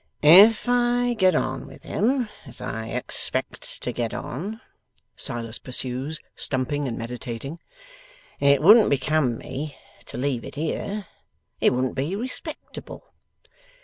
'If I get on with him as I expect to get on,' Silas pursues, stumping and meditating, 'it wouldn't become me to leave it here. It wouldn't be respectable.